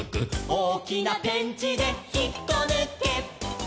「おおきなペンチでひっこぬけ」